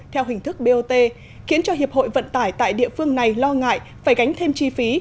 theo hình thức bot khiến cho hiệp hội vận tải tại địa phương này lo ngại phải gánh thêm chi phí